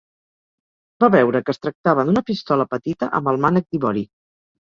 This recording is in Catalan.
Va veure que es tractava d'una pistola petita amb el mànec d'ivori.